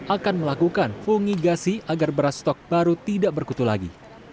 akan melakukan fungigasi agar beras stok baru tidak berkutu lagi